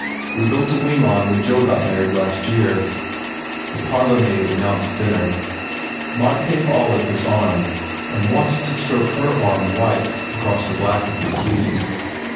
We built a wing on when Joe got married last year." The parlour maid announced dinner. Mark gave Olive his arm and wanted to stroke her arm white across the black of his sleeve.